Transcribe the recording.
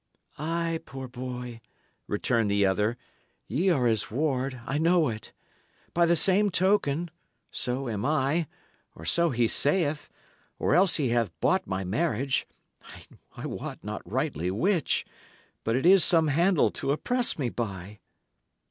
"Ay, poor boy," returned the other, "y' are his ward, I know it. By the same token, so am I, or so he saith; or else he hath bought my marriage I wot not rightly which; but it is some handle to oppress me by."